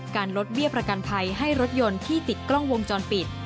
ลดเบี้ยประกันภัยให้รถยนต์ที่ติดกล้องวงจรปิด